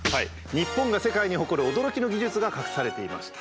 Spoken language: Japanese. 日本が世界に誇る驚きの技術が隠されていましたということなんです。